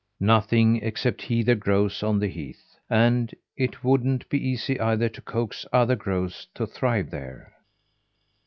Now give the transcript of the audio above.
Nothing except heather grows on the heath, and it wouldn't be easy either to coax other growths to thrive there.